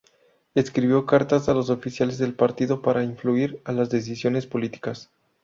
Escribió cartas a los oficiales del partido para influir en las decisiones políticas.